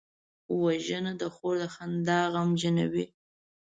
وژنه د خور د خندا غمجنوي